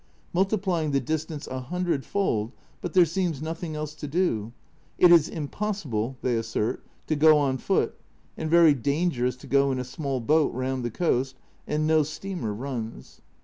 multiplying the distance a hundred fold, but there seems nothing else to do, it is impossible (they assert) to go on foot, and very dangerous to go in a small boat round the coast, and no steamer runs.